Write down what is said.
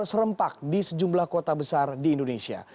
serempak di sejumlah kota besar di indonesia